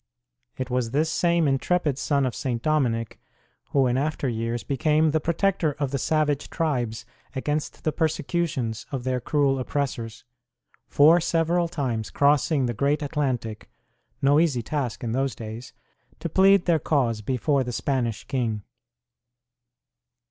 It was this same intrepid son of St. Dominic who, in after years, became the protector of the savage tribes against the persecutions of their cruel oppressors, four several times crossing the great Atlantic (no easy task in those days) to plead their cause before the Spanish King.